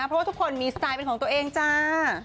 เพราะว่าทุกคนมีสไตล์เป็นของตัวเองจ้า